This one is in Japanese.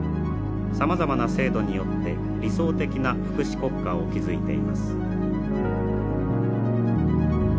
さまざまな制度によって理想的な福祉国家を築いています。